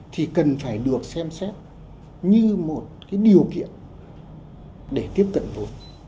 thì cần phải được xem xét như một cái điều kiện để tiếp cận vốn